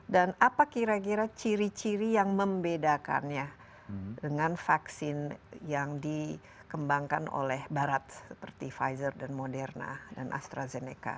dan apa kira kira ciri ciri yang membedakannya dengan vaksin yang dikembangkan oleh barat seperti pfizer dan moderna dan astrazeneca